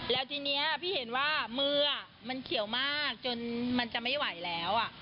แล้วทีนี้พี่เห็นว่ามือมันเขียวมากจนมันจะไม่ไหวแล้ว